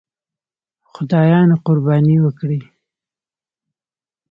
خدایانو قرباني وکړي.